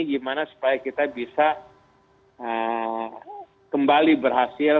gimana supaya kita bisa kembali berhasil